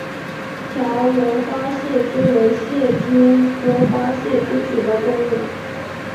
条纹花蟹蛛为蟹蛛科花蟹蛛属的动物。